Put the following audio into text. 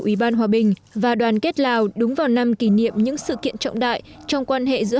ủy ban hòa bình và đoàn kết lào đúng vào năm kỷ niệm những sự kiện trọng đại trong quan hệ giữa